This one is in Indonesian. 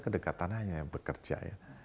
kedekatan hanya bekerja